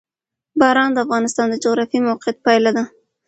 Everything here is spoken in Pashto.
باران د افغانستان د جغرافیایي موقیعت پایله ده.